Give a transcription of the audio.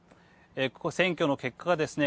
ここ選挙の結果がですね